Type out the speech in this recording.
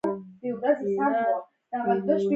وایي دا دیوال د سلیماني هیکل پاتې برخه ده.